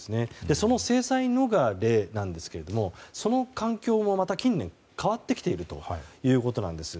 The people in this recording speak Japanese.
その制裁逃れなんですがその環境もまた近年、変わってきているということです。